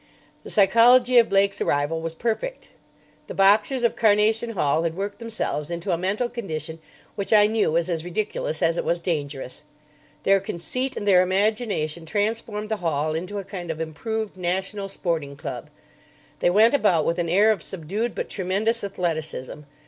The psychology of Blake's arrival was perfect. The boxers of Carnation Hall had worked themselves into a mental condition which I knew was as ridiculous as it was dangerous. Their conceit and their imagination transformed the hall into a kind of improved National Sporting Club. They went about with an air of subdued but tremendous athleticism.